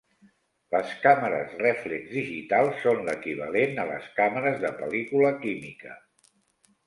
Les càmeres rèflex digitals són l'equivalent a les càmeres de pel·lícula química.